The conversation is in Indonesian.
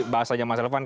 bahasanya mas revan